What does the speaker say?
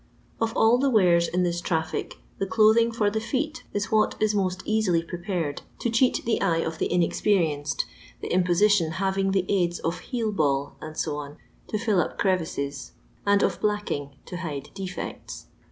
Of all the wares in this traffic, the clothing for the feet is what is most easily prepared to cheat the eye of the inexperienced, the imposition having the aids of heel ball, &c., to fill up crevices, and of bUcking to hide defects.